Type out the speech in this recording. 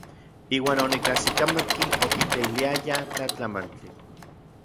Iuan onikajsikamatki okiteiliayaj tlatlamantli.